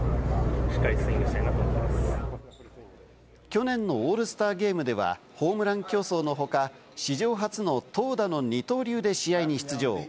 去年のオールスターゲームではホームラン競争のほか、史上初の投打の二刀流で試合に出場。